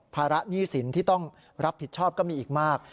ภาระหนี้สินที่ต้องรับผิดชอบก็มีอีกมาก